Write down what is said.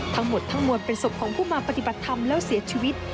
ทั้งหมดทั้งมวลเป็นศพของผู้มาปฏิบัติธรรมแล้วเสียชีวิต